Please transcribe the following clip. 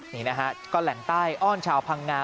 นี่นะฮะก็แหล่งใต้อ้อนชาวพังงา